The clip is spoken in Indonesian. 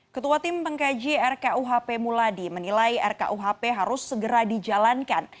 ketua tim pengkaji rkuhp muladi menilai rkuhp harus segera dijalankan